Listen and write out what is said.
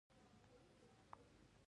آیا او ترسره کوي یې نه؟